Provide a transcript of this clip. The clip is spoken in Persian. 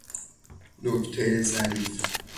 نکته ظریف